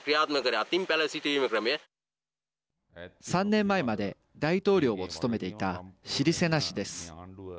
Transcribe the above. ３年前まで大統領を務めていたシリセナ氏です。